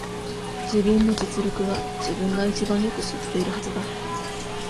自分の実力は、自分が一番よく知っているはずだ。